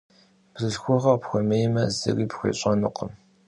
Бзылъхугъэр къыпхуэмеймэ, зыри пхуещӏэнукъым.